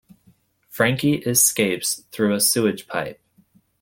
Frankie escapes through a sewage pipe.